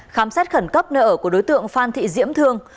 khám xét khẩn cấp nơi ở của đối tượng phan thị diễm thương